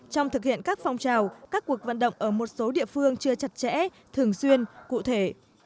trong thực hiện các phong trào các cuộc vận động ở một số địa phương chưa chặt chẽ thường xuyên cụ thể